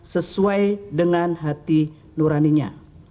sesuai dengan hati nuraninya